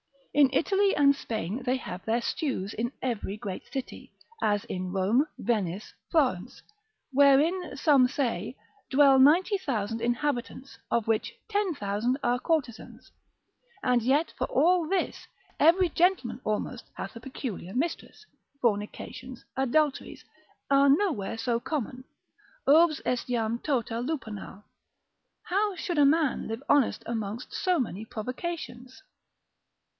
In Italy and Spain they have their stews in every great city, as in Rome, Venice, Florence, wherein, some say, dwell ninety thousand inhabitants, of which ten thousand are courtesans; and yet for all this, every gentleman almost hath a peculiar mistress; fornications, adulteries, are nowhere so common: urbs est jam tota lupanar; how should a man live honest amongst so many provocations?